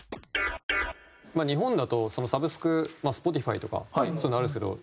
日本だとサブスクまあＳｐｏｔｉｆｙとかそういうのあるんですけど。